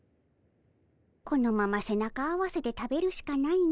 このまま背中合わせで食べるしかないの。